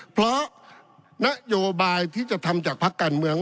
เพราะนโยบายที่จะทำจากพักการเมือง